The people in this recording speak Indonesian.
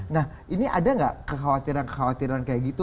nah ini ada nggak kekhawatiran kekhawatiran kayak gitu